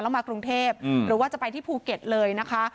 แล้วมากรุงเทพหรือว่าจะไปที่ภูเก็ตเลยนะคะ